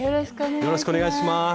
よろしくお願いします。